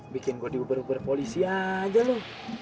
bikin gua diuber uber polisi aja lo